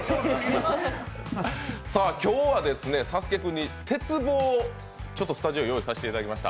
今日はサスケくんに鉄棒をスタジオに用意させていただきました。